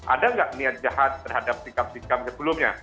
ada nggak niat jahat terhadap sikap sikap sebelumnya